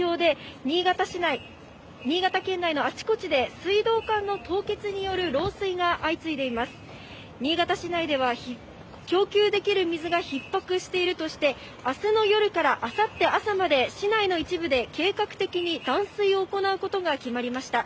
新潟市内では供給できる水がひっ迫しているとして、あすの夜からあさって朝まで、市内の一部で計画的に断水を行うことが決まりました。